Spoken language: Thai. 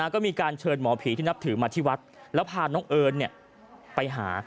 ก็มีการเชิญหมอผีที่นับถือมาที่วัดแล้วพาน้องเอิญไปหา